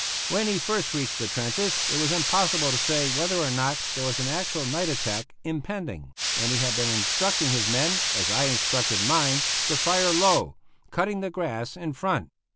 When he first reached the trenches it was impossible to say whether or not there was an actual night attack impending, and he had been instructing his men, as I instructed mine, to fire low, cutting the grass in front.